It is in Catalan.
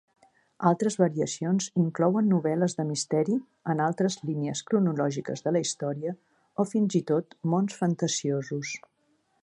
Altres variacions inclouen novel·les de misteri en altres línies cronològiques de la història o fins i tot mons fantasiosos.